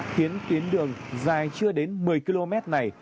khiến tuyến đường dài chưa đến một mươi km này